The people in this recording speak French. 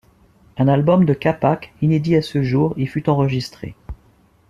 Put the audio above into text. Un album de Kapak, inédit à ce jour, y fut enregistré.